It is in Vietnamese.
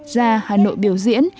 ra hà nội biểu diễn